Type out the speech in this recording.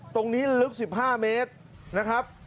ตรงนี้ลึก๑๕เมตรนะครับ